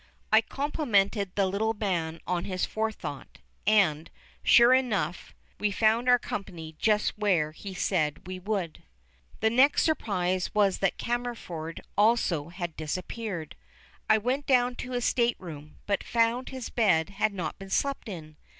I complimented the little man on his forethought, and, sure enough, we found our company just where he said we would. The next surprise was that Cammerford also had disappeared. I went down to his stateroom, but found his bed had not been slept in.